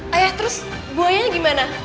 ayah terus buahnya gimana